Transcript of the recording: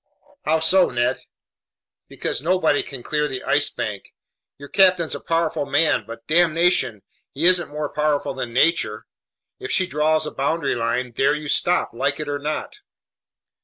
"How so, Ned?" "Because nobody can clear the Ice Bank. Your captain's a powerful man, but damnation, he isn't more powerful than nature. If she draws a boundary line, there you stop, like it or not!"